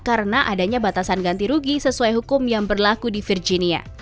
karena adanya batasan ganti rugi sesuai hukum yang berlaku di virginia